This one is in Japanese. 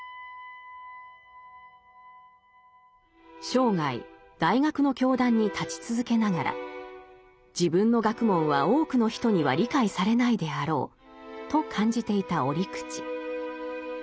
生涯大学の教壇に立ち続けながら自分の学問は多くの人には理解されないであろうと感じていた折口。